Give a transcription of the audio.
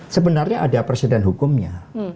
sebenarnya ada presiden hukumnya